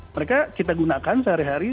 mereka kita gunakan sehari hari